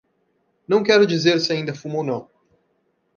Não quero dizer se ainda fumo ou não.